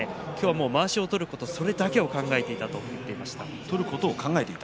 まわしを取ること、今日もそれだけを考えていたということでした。